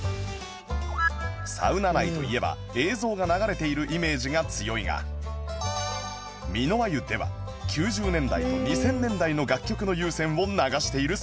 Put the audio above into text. サウナ内といえば映像が流れているイメージが強いが三の輪湯では９０年代と２０００年代の楽曲の有線を流しているそう